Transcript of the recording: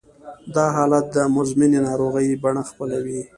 دا حالت د مزمنې ناروغۍ بڼه خپلوي